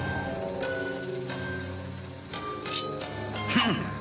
フン！